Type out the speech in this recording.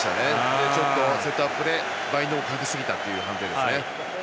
で、セットアップでバインドをかけすぎたという判定ですね。